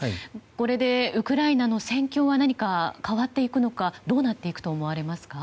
これでウクライナの戦況は何か変わっていくのかどうなっていくと思われますか。